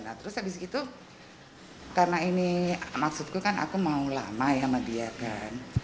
nah terus abis itu karena ini maksudku kan aku mau lama ya sama dia kan